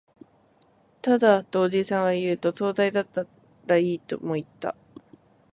ただ、とおじさんは言うと、灯台だったらいい、とも言った